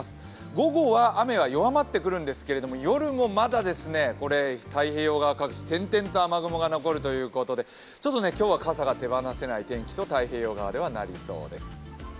午後は雨は弱まってくるんですけれども、夜もまだ太平洋側各地、点々と雨雲が残るということでちょっと今日は傘が手放せない天気と太平洋側はなりそうです。